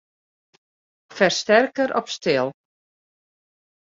Fersterker op stil.